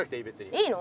いいの？